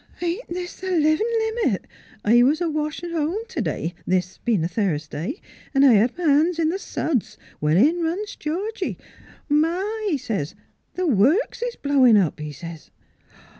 "Ain't this th' livin' limit! I was a washin' t' home t'day this bein' a Thursday; an' I hed m' han's in th' suds, when in runs Georgie :' Ma,' says he, * th' works is blowin' up,' he says.